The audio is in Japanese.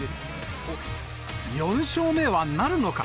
４勝目はなるのか。